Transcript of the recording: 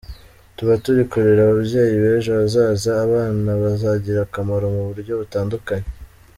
Tuba turi kurera ababyeyi b’ejo hazaza, abana bazagira akamaro mu buryo butandukanye.